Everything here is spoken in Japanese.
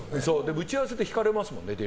打ち合わせで引かれますもん。